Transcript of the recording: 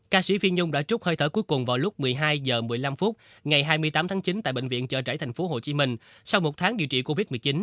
ca sĩ phi nhung đã trút hơi thở cuối cùng vào lúc một mươi hai h một mươi năm ngày hai mươi tám tháng chín tại bệnh viện chợ rẫy tp hcm sau một tháng điều trị covid một mươi chín